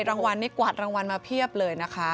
รางวัลนี้กวาดรางวัลมาเพียบเลยนะคะ